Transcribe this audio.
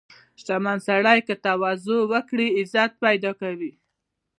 • شتمن سړی که تواضع وکړي، عزت پیدا کوي.